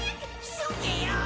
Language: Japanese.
急げよぉ。